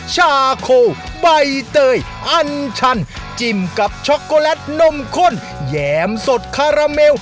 ชาโคใบเตยอันชันจิ้มกับช็อกโกแลตนมข้นแยมสดคาราเมล